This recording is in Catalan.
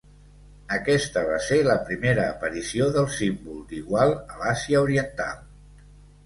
Aquesta va ser la primera aparició del símbol d'igual a l'Àsia Oriental.